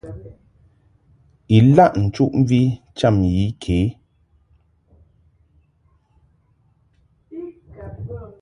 Ilaʼ nchuʼmvi cham yi ke.